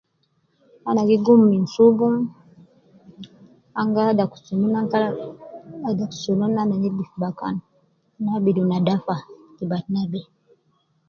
Ana gi gum minsubu, an gi adaku sunun, an gi adaku sunun ana nedif bakan, ana abidu nadafa fi batna be